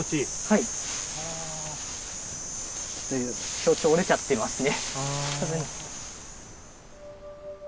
標柱折れちゃってますね。